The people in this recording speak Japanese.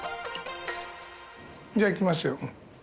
じゃあいきますよ。